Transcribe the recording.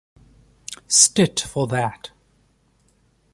Stitt for that.